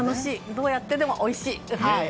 どうやってでもおいしい。